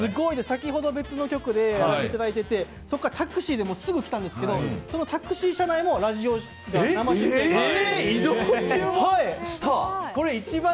先ほど別の局でやらせていただいててそこからタクシーで来たんですけどそのタクシー車内もラジオが生出演だったんですよ。